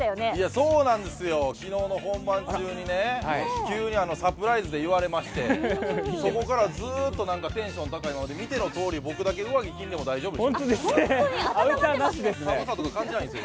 そうなんですよ、昨日の本番中に急にサプライズで言われましてそこからずっとテンション高いままで、見てのとおり、僕だけ上着着なくても大丈夫ですよ。